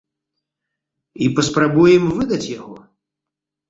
І паспрабуем выдаць яго.